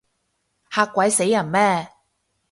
嚇鬼死人咩？